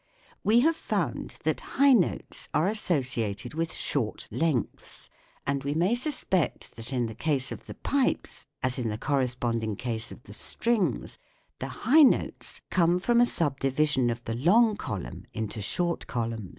We have found that high notes are associated with short lengths, and we may suspect that in the case of the pipes, as in the corresponding case of the strings, the high notes come from a subdivision of the long column into short columns.